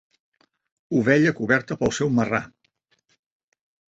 Ovella coberta pel seu marrà.